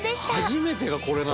初めてがこれなの？